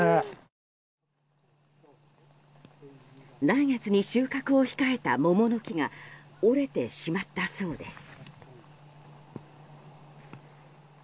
来月に収穫を控えた桃の木が折れてしまったそうです。